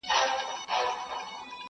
د مور ملوکي سرې دي نوکي.!